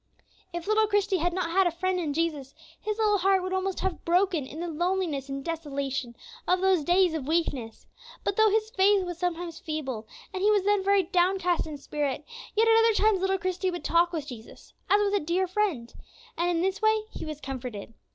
If little Christie had not had a friend in Jesus, his little heart would almost have broken, in the loneliness and desolation of those days of weakness. But though his faith was sometimes feeble, and he was then very downcast in spirit, yet at other times little Christie would talk with Jesus, as with a dear friend, and in this way he was comforted.